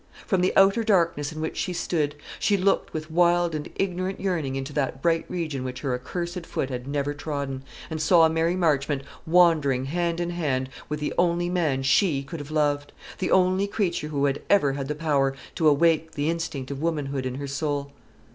From the outer darkness in which she stood, she looked with wild and ignorant yearning into that bright region which her accursed foot had never trodden, and saw Mary Marchmont wandering hand in hand with the only man she could have loved the only creature who had ever had the power to awake the instinct of womanhood in her soul.